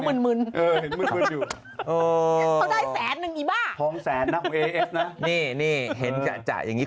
มีแล้วครับอะไรนะครับ